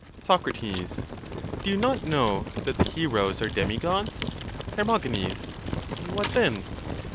Soc. Do you not know that the heroes are demigods? Her. What then?